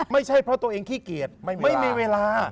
ไม่ใช่เพราะตัวเองขี้เกียจไม่มีเวลา